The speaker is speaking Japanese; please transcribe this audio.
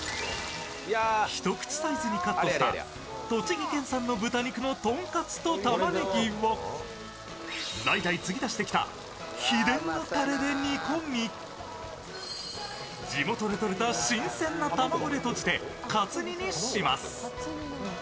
一口サイズにカットした栃木県産の豚肉のとんかつと玉ねぎを代々継ぎ足してきた秘伝のたれで煮込み、地元でとれた新鮮な卵でとじてカツ煮にします。